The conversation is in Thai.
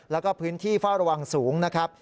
แล้วก็พื้นที่เฝ้าระวังสูงนะครับ